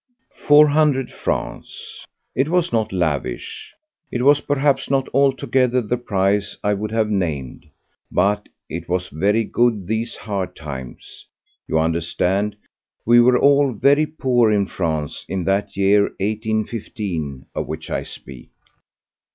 Four hundred francs! It was not lavish, it was perhaps not altogether the price I would have named, but it was very good, these hard times. You understand? We were all very poor in France in that year 1815 of which I speak.